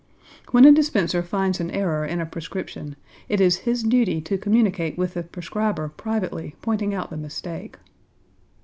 When a dispenser finds an error in a prescription, it is his duty to communicate with the prescriber privately pointing out the mistake.